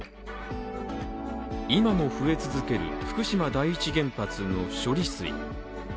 今も増え続ける福島第一原発の処理水。